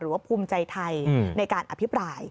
ว่าภูมิใจไทยในการอภิปราย